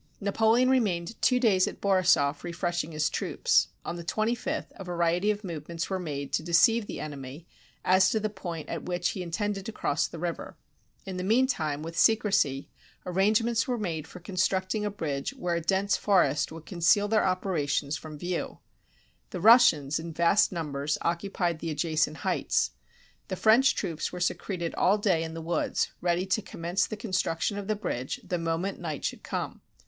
Napoleon remained two days at Borisoff refreshing his troops. On the 25th, a variety of movements were made to deceive the enemy as to the point at which he intended to cross the river. In the mean time, with secrecy, arrangements were made for constructing a bridge where a dense forest would conceal their operations from view. The Russians, in vast numbers, occupied the adjacent heights. The French troops were secreted all day in the woods, ready to commence the construction of the bridge the moment night should come.